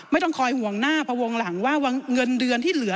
ไม่ต้องคอยห่วงหน้าพอวงหลังว่าเงินเดือนที่เหลือ